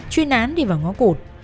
chuyên án đi vào ngó cụt